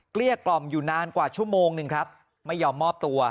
เกี้ยกล่อมอยู่นานกว่าชั่วโมงหนึ่งครับไม่ยอมมอบตัว